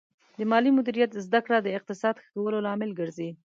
د مالي مدیریت زده کړه د اقتصاد ښه کولو لامل ګرځي.